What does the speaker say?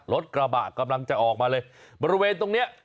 รถกระบะกำลังจะออกมาเลยบริเวณตรงนี้